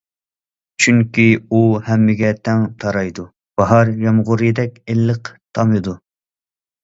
چۈنكى ئۇ ھەممىگە تەڭ تارايدۇ، باھار يامغۇرىدەك ئىللىق تامىدۇ.